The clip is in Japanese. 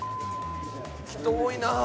人多いな。